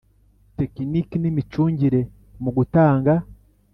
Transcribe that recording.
tekiniki n imicungire mu gutanga